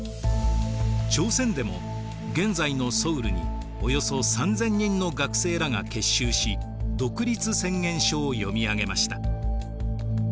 朝鮮でも現在のソウルにおよそ３，０００人の学生らが結集し独立宣言書を読み上げました。